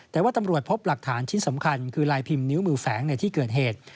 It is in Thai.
แต่ว่าตำรวจพบหลักฐานชิ้นสำคัญคือลายพิมพ์นิ้วมือแฝงในที่เกิดเหตุ